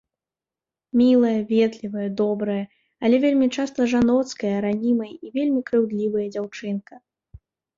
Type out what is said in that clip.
Мілая, ветлівая, добрая, але вельмі часта жаноцкая, ранімая і вельмі крыўдлівая дзяўчынка.